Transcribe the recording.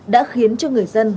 đã khiến cho người dân